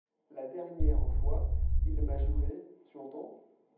La dernière fois, il m'a juré, tu entends!